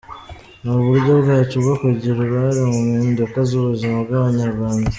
Ni uburyo bwacu bwo kugira uruhare mu mpinduka z’ubuzima bw’Abanyarwanda.